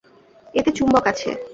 এতে চুম্বক আছে।